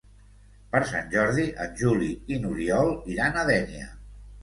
Per Sant Jordi en Juli i n'Oriol iran a Dénia.